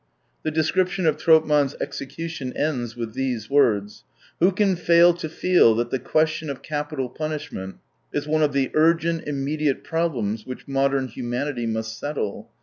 The description of Tropman's execution ends with these words :" Who can fail to feel that the question of capital punishment is one of the urgent, immediate problems which modern humanity must settle